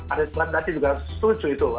ada islam tadi juga setuju itu